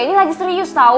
ini lagi serius tau